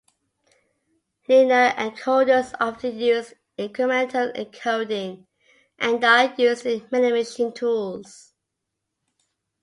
Linear encoders often use incremental encoding and are used in many machine tools.